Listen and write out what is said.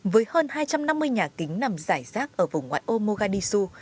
với hơn hai trăm năm mươi nhà kính nằm giải rác ở vùng ngoại ô moganisu